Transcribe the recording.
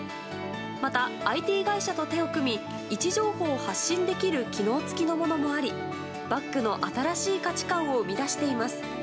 また、ＩＴ会社と手を組み位置情報を発信できる機能付きのものもありバッグの新しい価値観を生み出しています。